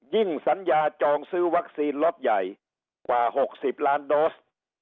สัญญาจองซื้อวัคซีนล็อตใหญ่กว่า๖๐ล้านโดส